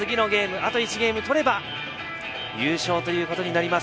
あと１ゲーム取れば優勝ということになります。